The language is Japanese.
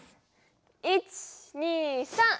１２３！